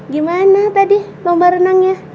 gimana tadi lomba renangnya